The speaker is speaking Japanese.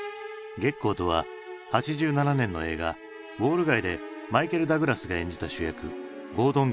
ゲッコーとは８７年の映画「ウォール街」でマイケル・ダグラスが演じた主役ゴードン・ゲッコーのこと。